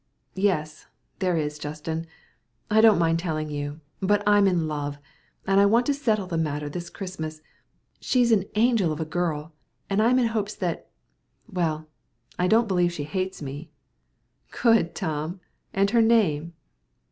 "Yes, there is, Justin. I don't mind telling you, but I'm in love, and I want to settle the matter this Christmas. She's an angel of a girl, and I'm in hopes that Well, I don't believe she hates me." "Good, Tom. And her name?"